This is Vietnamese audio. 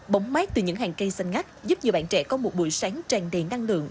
bóng mát từ những hàng cây xanh ngắt giúp nhiều bạn trẻ có một buổi sáng tràn đầy năng lượng